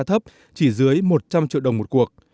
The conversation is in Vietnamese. thấp chỉ dưới một trăm linh triệu đồng một cuộc